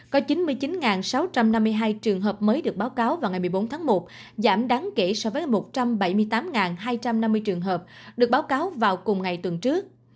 có chín mươi chín sáu trăm năm mươi hai trường hợp mới được báo cáo vào ngày một mươi bốn tháng một giảm đáng kể so với một trăm bảy mươi tám hai trăm năm mươi trường hợp được báo cáo vào cùng ngày tuần trước